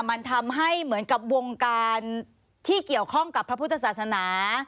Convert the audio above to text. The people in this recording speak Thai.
มันทำให้เหมือนกับวงการที่เกี่ยวข้องกับพระพุทธศาสนา